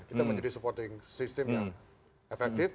itu menjadi supporting system yang efektif